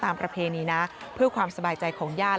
ประเพณีนะเพื่อความสบายใจของญาติ